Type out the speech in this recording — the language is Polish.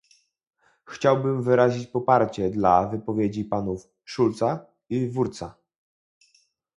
Chciałbym wyrazić poparcie dla wypowiedzi panów Schulza i Wurtza